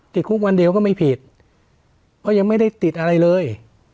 ติดคุกวันเดียวก็ไม่ผิดเพราะยังไม่ได้ติดอะไรเลย